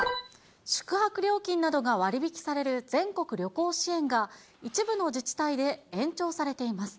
宿泊料金などが割引される全国旅行支援が、一部の自治体で延長されています。